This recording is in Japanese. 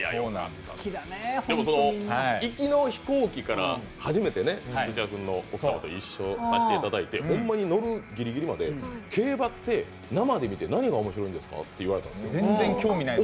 でも行きの飛行機から初めて柴田君の奥様とご一緒させていただいてほんまに乗るギリギリまで、競馬って生で見て何が面白いんですかって言われたんですよ。